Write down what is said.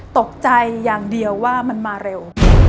ตกใจอย่างเดียวว่ามันมาเร็ว